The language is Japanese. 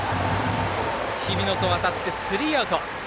日比野とわたって、スリーアウト。